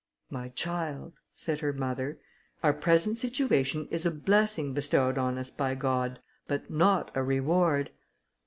"My child," said her mother, "our present situation is a blessing bestowed on us by God, but not a reward."